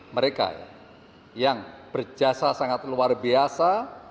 mereka yang berjasa sangat luar biasa